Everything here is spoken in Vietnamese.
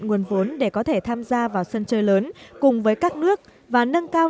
nguồn vốn để có thể tham gia vào sân chơi lớn cùng với các nước và nâng cao